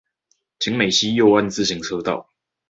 景美溪右岸自行車道